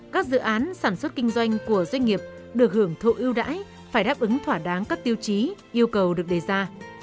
các dự án sản xuất kinh doanh của doanh nghiệp được hưởng thụ ưu đãi phải đáp ứng thỏa đáng các tiêu chí yêu cầu được đề ra